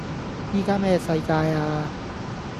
依家咩世界呀?